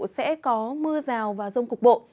sẽ có mưa rào và rông cục bộ